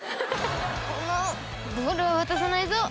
このボールは渡さないぞ！